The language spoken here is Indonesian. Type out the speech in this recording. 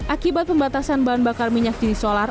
akibat pembatasan bahan bakar minyak jenis solar